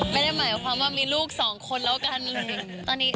ไม่ได้หมายความว่ามีลูก๒คนเหล่ากันเนี่ย